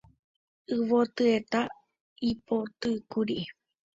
Yvotyeta ipotykuru